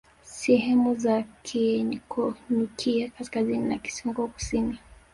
Sehemu za Keekonyukie kaskazini na Kisonko kusini